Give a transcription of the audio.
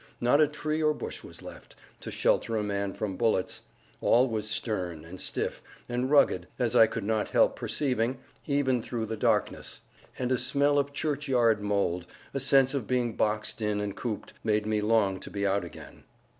Not a tree or bush was left, to shelter a man from bullets; all was stern, and stiff, and rugged, as I could not help perceiving, even through the darkness: and a smell as of churchyard mold, a sense of being boxed in and cooped, made me long to be out again.